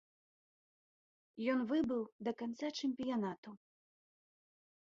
Ён выбыў да канца чэмпіянату.